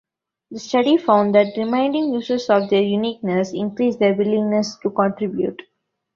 The study found that reminding users of their uniqueness increased their willingness to contribute.